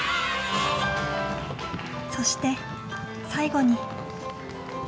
そして最後に。